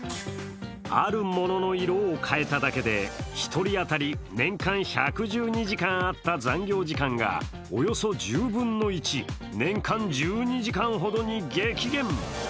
あるものの色を変えただけで、１人当たり年間１２０時間あった残業時間がおよそ１０分の１、年間１２時間ほどに激減。